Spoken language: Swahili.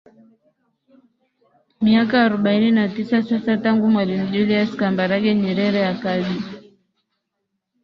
miaka arobaini na tisa sasa tangu mwalimu julius kambarage nyerere akabi